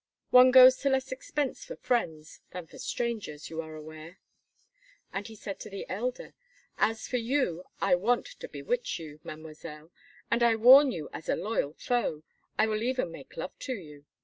One goes to less expense for friends than for strangers, you are aware." And he said to the elder: "As for you, I want to bewitch you, Mademoiselle, and I warn you as a loyal foe! I will even make love to you.